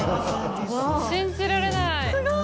信じられない。